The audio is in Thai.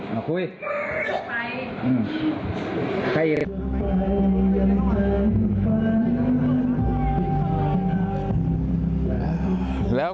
แล้วก็มาที่นี่นะครับ